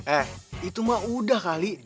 eh itu mah udah kali